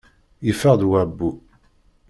Yeffeɣ-d wabbu.